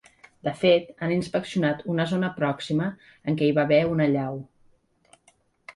De fet, han inspeccionat una zona pròxima en què hi va haver una allau.